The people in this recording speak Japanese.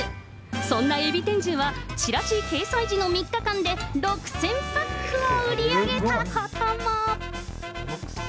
そんな海老天重は、チラシ掲載時の３日間で６０００パックを売り上げたことも。